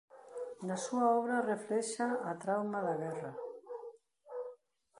Na súa obra reflexa a trauma da guerra.